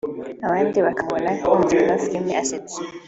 abandi bakamubona nk’umukinnyi w’amafilimi asetsa